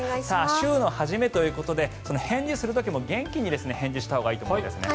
週の初めということで返事をする時も元気に返事をしたほうがいいと思うんですね。